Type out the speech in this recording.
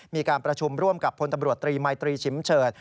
มีการประชุมร่วมกับสนตรีไมทรีชิมเฉิด